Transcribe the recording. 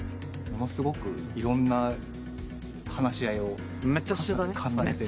ものすごくいろんな話し合いを重ねて。